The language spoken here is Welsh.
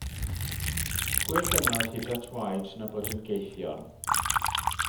Gwell ymladd hyd at waed na bod yn gaethion.